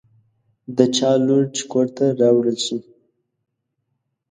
د چا لور چې کور ته راوړل شي.